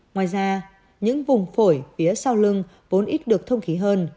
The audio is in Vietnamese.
ngoài ra những vùng phổi phía sau lưng vốn ít được thông khí hơn